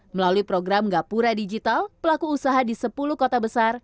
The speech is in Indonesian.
melalui program gapura digital pelaku usaha di sepuluh kota besar